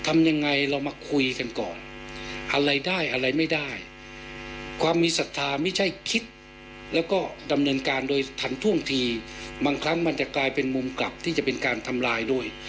มันจะกลายเป็นมุมกลับที่จะเป็นการทำลายด้วย